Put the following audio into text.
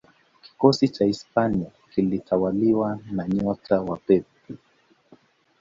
kikosi cha Hispania kilitawaliwa na nyota wa Pep